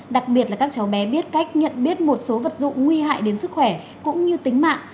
đặc biệt là các cháu bé biết cách nhận biết một số vật dụng nguy hại đến sức khỏe cũng như tính mạng